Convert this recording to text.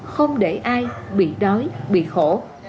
không để ai bị đói bị khổ